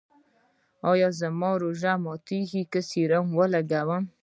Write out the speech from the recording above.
ایا زما روژه ماتیږي که سیروم ولګوم؟